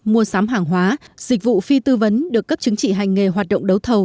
mua sắm hàng hóa dịch vụ phi tư vấn được cấp chứng chỉ hành nghề hoạt động đấu thầu